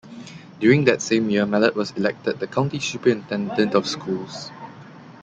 During that same year, Mellette was elected the county superintendent of schools.